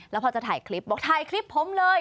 แล้วพอจะถ่ายคลิปบอกถ่ายคลิปผมเลย